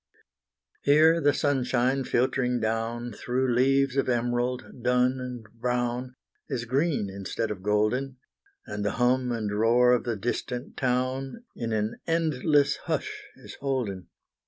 Here the sunshine, filtering down, Through leaves of emerald, dun and brown, Is green instead of golden And the hum and roar of the distant town In an endless hush is holden.